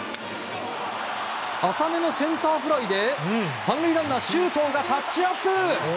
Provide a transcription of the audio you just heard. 浅めのセンターフライで３塁ランナー、周東がタッチアップ！